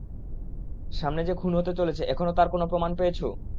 সামনে যে খুন হতে চলেছে এখনো তার কোন প্রমাণ পেয়েছো?